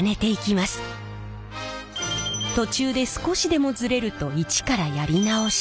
途中で少しでもズレると一からやり直し。